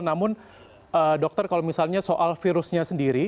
namun dokter kalau misalnya soal virusnya sendiri